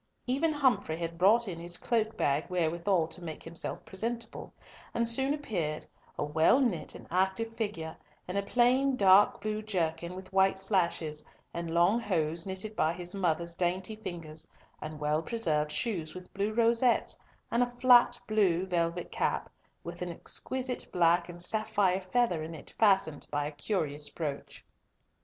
Even Humfrey had brought in his cloak bag wherewithal to make himself presentable, and soon appeared, a well knit and active figure, in a plain dark blue jerkin, with white slashes, and long hose knitted by his mother's dainty fingers, and well preserved shoes with blue rosettes, and a flat blue velvet cap, with an exquisite black and sapphire feather in it fastened by a curious brooch.